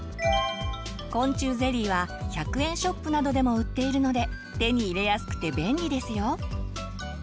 昆虫ゼリーは１００円ショップなどでも売っているので手に入れやすくて便利ですよ。